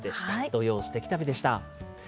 土曜すてき旅でした。